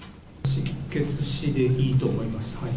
失血死でいいと思います。